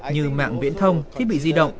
như mạng biển thông thiết bị di động